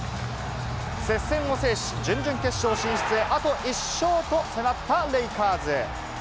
接戦を制し準決勝進出へあと１勝と迫ったレイカーズ。